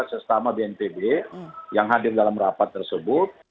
sesama bnpb yang hadir dalam rapat tersebut